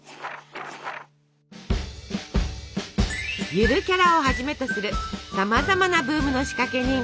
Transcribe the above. ゆるキャラをはじめとするさまざまなブームの仕掛け人。